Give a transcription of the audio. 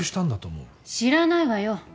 知らないわよ。